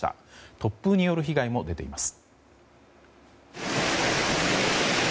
突風による被害も出ています。